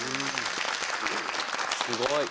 すごい。